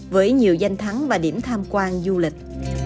với nhiều danh thắng và điểm tham quan du lịch